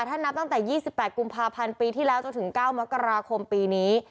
ถ้านับตั้งแต่๒๘กุมภาพันธ์ปีที่แล้วจนถึง๙มกราคมปีนี้